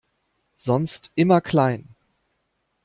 Sonst immer klein!